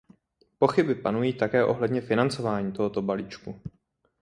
Pochyby panují také ohledně financování tohoto balíčku.